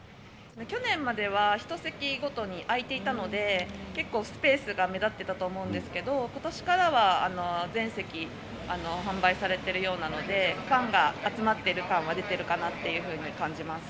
去年までは１席ごとに空いていたので、結構スペースが目立ってたと思うんですけど、ことしからは全席販売されてるようなので、ファンが集まってる感は出てるかなと感じます。